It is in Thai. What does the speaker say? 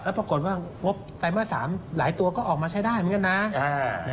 ปรากฏว่างบไตรมาส๓หลายตัวก็ออกมาใช้ได้เหมือนกันนะ